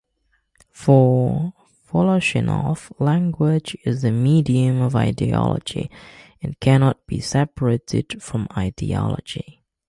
For Voloshinov, language is the medium of ideology, and cannot be separated from ideology.